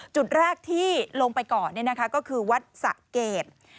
จุดแรกที่ลงไปก่อนก็คือวัดสะเกด